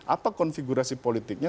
apa konfigurasi politiknya